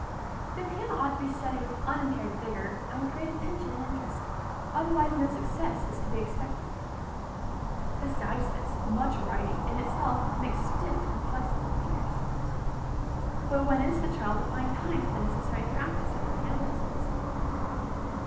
The piano ought to be studied with unimpaired vigor, and with great attention and interest, otherwise no success is to be expected. Besides this, much writing, in itself, makes stiff, inflexible fingers. But when is the child to find time for the necessary practice of the piano lessons?